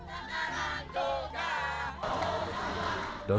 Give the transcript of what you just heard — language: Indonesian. jangan lupa jokowi